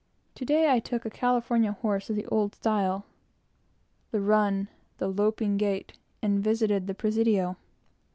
To day I took a California horse of the old style, the run, the loping gait, and visited the Presidio.